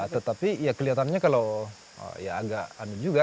tetapi ya kelihatannya kalau ya agak anu juga